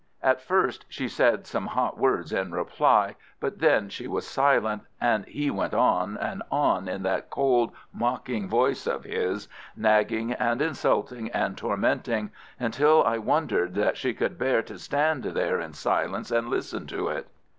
At first she said some hot words in reply, but then she was silent, and he went on and on in that cold, mocking voice of his, nagging and insulting and tormenting, until I wondered that she could bear to stand there in silence and listen to it.